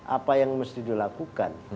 apa yang mesti dilakukan